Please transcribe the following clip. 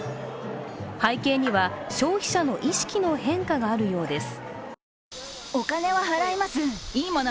背景には、消費者の意識の変化があるようです。